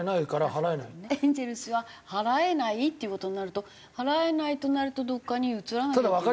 エンゼルスは払えないっていう事になると払えないとなるとどこかに移らなきゃいけない。